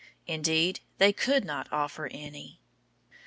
Indeed, they could not offer any.